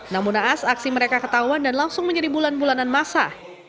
namun naas aksi mereka ketahuan dan langsung menjadi bulan bulanan masa